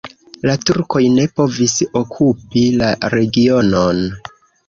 La turkoj ne povis okupi la regionon.